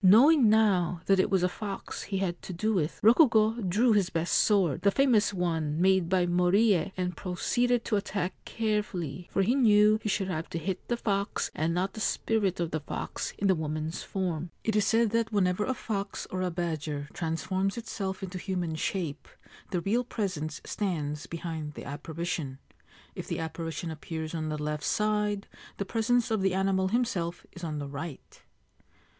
Knowing now that it was a fox he had to do with, Rokugo drew his best sword, the famous one made by Moriye, and proceeded to attack carefully, for he knew he should have to hit the fox and not the spirit of the fox in the woman's form. (It is said that whenever a fox or a badger transforms itself into human shape the real presence stands beside the apparition. If the apparition appears on the left side, the presence of the animal himself is on the right.)